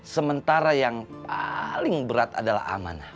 sementara yang paling berat adalah amanah